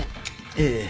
ええ。